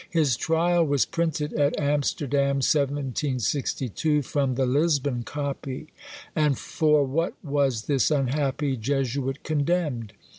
His trial was printed at Amsterdam, 1762, from the Lisbon copy. And for what was this unhappy Jesuit condemned?